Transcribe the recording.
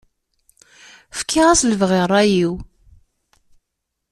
Fkiɣ-as lebɣi i ṛṛay-iw.